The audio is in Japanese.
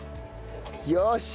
よし！